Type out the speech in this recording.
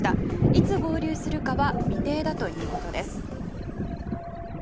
いつ合流するかは未定だということです。